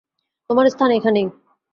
তোমার স্থান এখানেই।